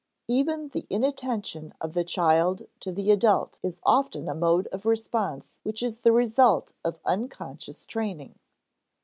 _ Even the inattention of the child to the adult is often a mode of response which is the result of unconscious training.